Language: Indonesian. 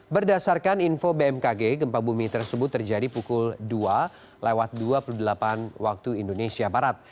berdasarkan info bmkg gempa bumi tersebut terjadi pukul dua lewat dua puluh delapan waktu indonesia barat